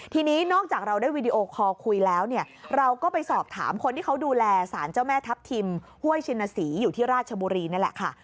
ที่เขาดูแลสารเจ้าแม่ทัพทิมห้วยชินสีอยู่ที่ราชบุรีนั่นแหละค่ะ